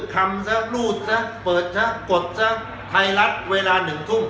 คำซะรูดซะเปิดซะกดซะไทยรัฐเวลา๑ทุ่ม